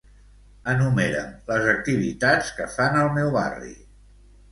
Enumera'm les activitats que fan al meu barri.